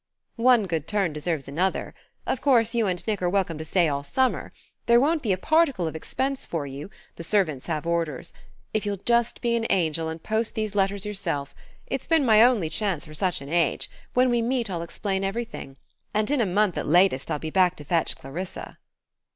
"One good turn deserves another.... Of course you and Nick are welcome to stay all summer.... There won't be a particle of expense for you the servants have orders.... If you'll just be an angel and post these letters yourself.... It's been my only chance for such an age; when we meet I'll explain everything. And in a month at latest I'll be back to fetch Clarissa...."